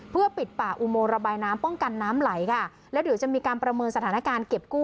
เพื่อปิดป่าอุโมงระบายน้ำป้องกันน้ำไหลค่ะแล้วเดี๋ยวจะมีการประเมินสถานการณ์เก็บกู้